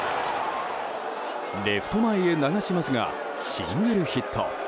レフト前へ流しますがシングルヒット。